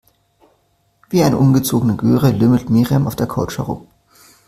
Wie eine ungezogene Göre lümmelt Miriam auf der Couch herum.